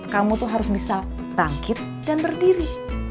kamu tuh harus bisa bangkit dan berdiri